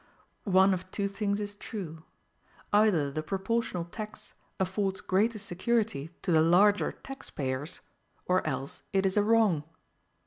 One of two things is true: either the proportional tax affords greater security to the larger tax payers, or else it is a wrong.